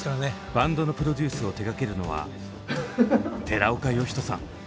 バンドのプロデュースを出がけるのは寺岡呼人さん。